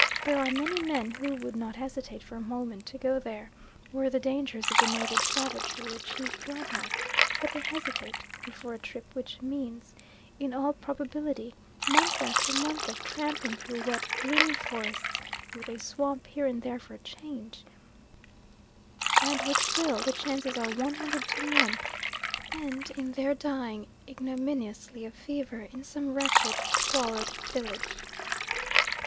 There are many men who would not hesitate for a moment to go there, were the dangers of the native savagery the chief drawback; but they hesitate before a trip which means, in all probability, month after month of tramping through wet gloomy forests with a swamp here and there for a change, and which will, the chances are 100 to 1, end in their dying ignominiously of fever in some wretched squalid village.